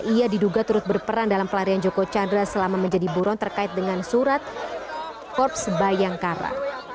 ia diduga turut berperan dalam pelarian joko chandra selama menjadi buron terkait dengan surat korps bayangkara